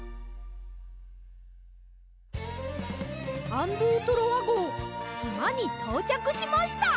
アン・ドゥ・トロワごうしまにとうちゃくしました！